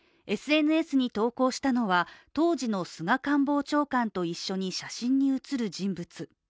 ＳＮＳに投稿したのは当時の菅官房長官と一緒に写真に写る人物。